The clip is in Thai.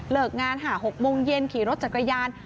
เลิกงานหา๖โมงเย็นขี่รถจัดกระยาน